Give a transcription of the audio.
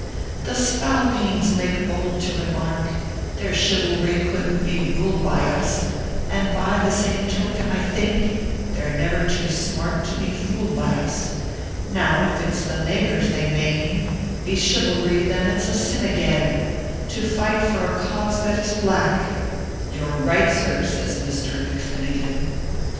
The spalpeens make bould to remark Their chivalry couldn t be ruled by us ; And by the same token I think They re never too smart to bo fooled .by us. Now if it s tho nagurs they mane Be chivalry, (hen it s a sin again To fight for a cause that is black " "You re right, sir," says Misther McFinnigan.